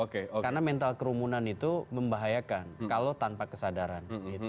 karena mental kerumunan itu membahayakan kalau tanpa kesadaran